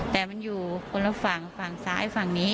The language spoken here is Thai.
แต่มันอยู่คนละฝั่งฝั่งซ้ายฝั่งนี้